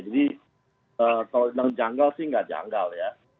jadi kalau bilang janggal sih nggak janggal ya